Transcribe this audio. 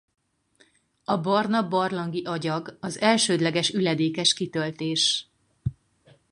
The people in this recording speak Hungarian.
A barna barlangi agyag az elsődleges üledékes kitöltés.